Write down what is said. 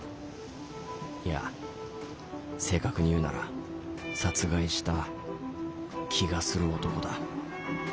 いや正確に言うなら殺害した気がする男だ。